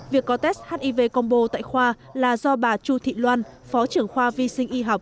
việc có test hiv combo tại khoa là do bà chu thị loan phó trưởng khoa vi sinh y học